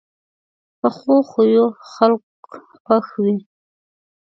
پخو خویو خلک خوښ وي